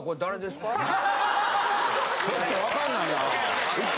ちょっとわかんないな。